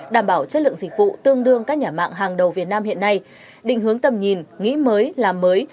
đảm bảo chất lượng dịch vụ tương đương các nhà mạng hàng đầu việt nam hiện nay định hướng tầm nhìn nghĩ mới làm mới